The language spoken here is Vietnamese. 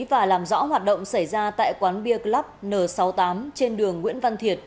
và làm rõ hoạt động xảy ra tại quán bia club n sáu mươi tám trên đường nguyễn văn thiệt